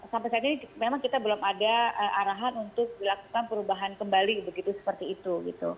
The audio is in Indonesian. sampai saat ini memang kita belum ada arahan untuk dilakukan perubahan kembali begitu seperti itu